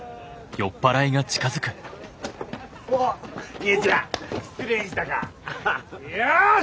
よし！